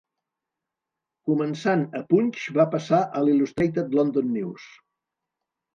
Començant a Punch, va passar al Illustrated London News.